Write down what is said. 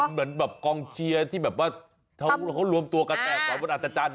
เหมือนกองเชียร์ที่แบบว่าเขารวมตัวกันแปรอักษรบนอัตจันทร์